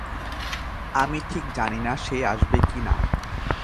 আমি ঠিক জানিনা সে আসবে কি না।